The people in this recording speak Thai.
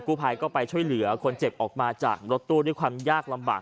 ผู้ภัยก็ไปช่วยเหลือคนเจ็บออกมาจากรถตู้ด้วยความยากลำบาก